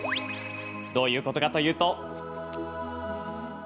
どういうことかというと。